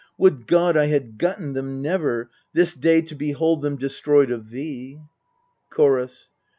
Would God I had gotten them never, this day To behold them destroyed of thee ! Chorus.